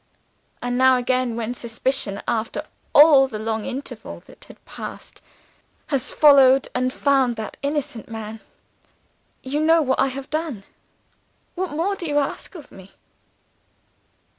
And now again when suspicion (after all the long interval that had passed) has followed and found that innocent man, you know what I have done. What more do you ask of me?